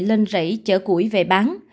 lên rẫy chở củi về bán